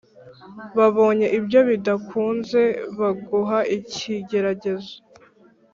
Babonye ibyo bidakunze, bamuha ikigeragezo